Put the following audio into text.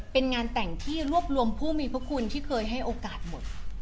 เป็นงานแต่งที่รวบรวมผู้มีพระคุณที่เคยให้โอกาสหมด